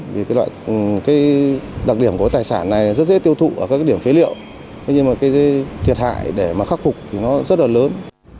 vì đặc điểm của tài sản này rất dễ tiêu thụ ở các điểm phế liệu nhưng thiệt hại để khắc phục rất lớn